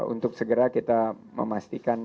untuk segera kita memastikan